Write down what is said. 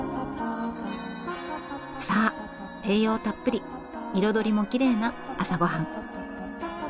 さあ栄養たっぷり彩りもきれいな朝ごはん。